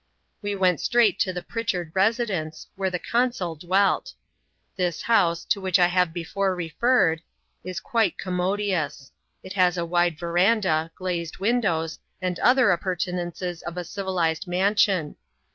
We went straight to the Pritchard residence, where the con sul dwelt. This house — to which I have before referred — is quite commodious. It has a wide verandah, glazed windows^ and other appurtenances of a civilized mansion.